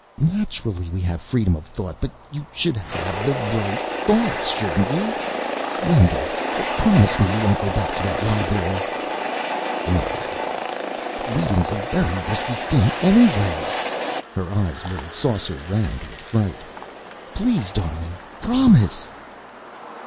"Naturally we have freedom of thought. But you should have the right thoughts, shouldn't you? Wendell, promise me you won't go back to that library." "Well " "Reading's a very risky thing anyway." Her eyes were saucer round with fright. "Please, darling. Promise."